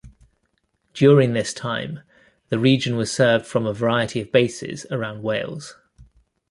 During this time, the region was served from a variety of bases around Wales.